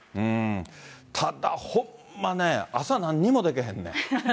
ただほんまね、朝なんにもでけへんねん。